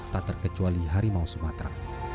tak terkecuali harimau sumatera